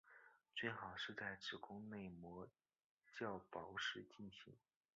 最好是在子宫内膜较薄时进行。